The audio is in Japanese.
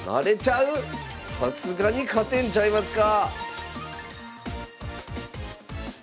さすがに勝てんちゃいますか？